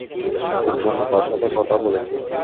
তোর জন্য তার সাথে কথা বলেছি।